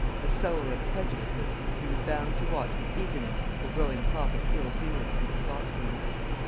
A sower of prejudices, he was bound to watch with eagerness the growing crop of ill feelings he was fostering.